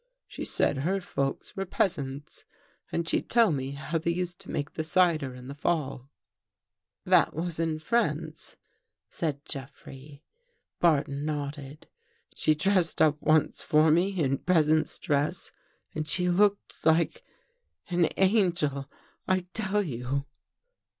She said her folks were peasants, and she'd tell me how they used to make the cider in the fall." "That was in France?" said Jeffrey. Barton nodded. " She dressed up once for me in peasant's dress and she looked like — an angel, I tell you."